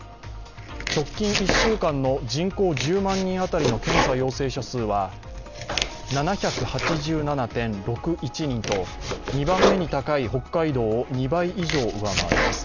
直近１週間の人口１０万人当たりの検査陽性者数は７８７．６１人と、２番目に高い北海道を２倍以上上回ります。